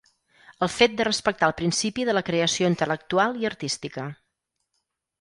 El fet de respectar el principi de la creació intel·lectual i artística.